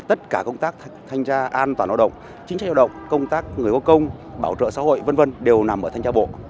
tất cả công tác thanh tra an toàn lao động chính trách lao động công tác người có công bảo trợ xã hội v v đều nằm ở thanh tra bộ